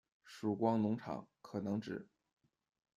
曙光农场，可能指：